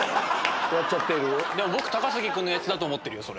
でも僕高杉君のやつだと思ってるよそれ。